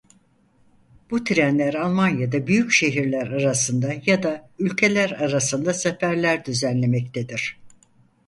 Bu trenler Almanya'da büyük şehirler arasında ya da ülkeler arasında seferler düzenlemektedir.